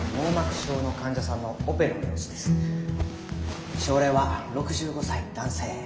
症例は６５歳男性。